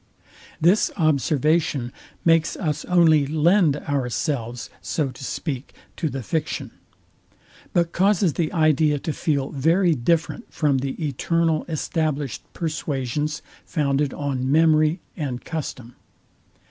This observation makes us only lend ourselves, so to speak, to the fiction: But causes the idea to feel very different from the eternal established persuasions founded on memory and custom.